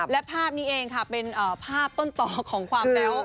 และภาพนี้เองค่ะเป็นภาพต้นต่อของความแบ๊ว